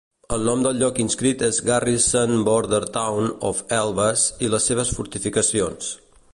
El nom del lloc inscrit és Garrison Border Town of Elvas i les seves Fortificacions.